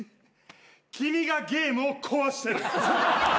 君がゲームを壊してる。